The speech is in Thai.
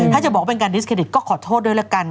ถ้าจะบอกว่าเป็นการดิสเครดิตก็ขอโทษด้วยละกัน